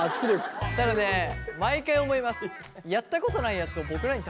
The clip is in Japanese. ただね毎回思います。